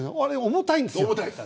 重たいんですよ。